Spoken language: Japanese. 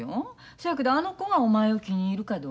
そやけどあの子がお前を気に入るかどうかや。